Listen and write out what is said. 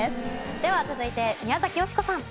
では続いて宮崎美子さん。